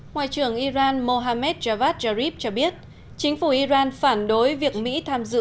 ngoại trưởng iran mohamed javad jarib cho biết chính phủ iran phản đối việc mỹ tham dự